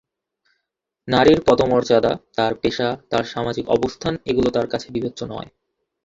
নারীর পদমর্যাদা, তাঁর পেশা, তাঁর সামাজিক অবস্থান এগুলো তার কাছে বিবেচ্য নয়।